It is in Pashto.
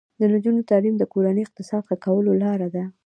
د نجونو تعلیم د کورنۍ اقتصاد ښه کولو لاره ده.